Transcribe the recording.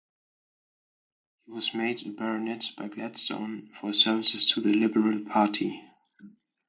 He was made a baronet by Gladstone for his services to the Liberal Party.